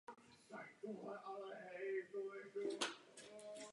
Jde zatím o největší úspěch tohoto hráče.